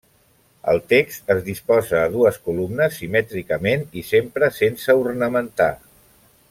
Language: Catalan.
El text es disposa a dues columnes simètricament i sempre sense ornamentar.